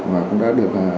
và cũng đã được thực hiện